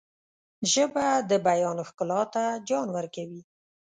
ژبه د بیان ښکلا ته جان ورکوي